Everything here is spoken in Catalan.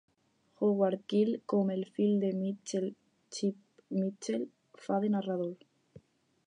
Howard Keel, com el fill de Mitchell "Xip Mitchell", fa de narrador.